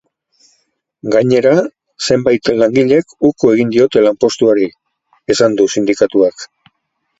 Gainera, zenbait langilek uko egin diote lanpostuari, esan du sindikatuak.